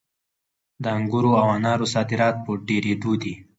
د انګورو او انارو صادرات په ډېرېدو دي.